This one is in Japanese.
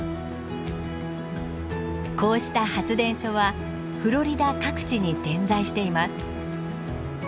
こうした発電所はフロリダ各地に点在しています。